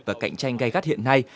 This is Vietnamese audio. và cạnh tranh gây gắt hiện nay